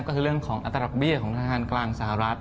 ก็คือเรื่องของอัตราดอกเบี้ยของธนาคารกลางสหรัฐ